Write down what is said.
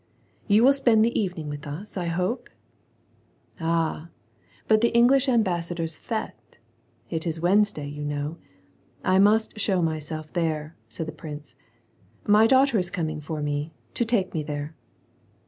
"You will spend the evening with us, I hope ?"" Ah ! but the English ambassador's fete ? It is Wednesday, you know. I must show myself there," said the prince. " My daughter is coming for me, to take me there."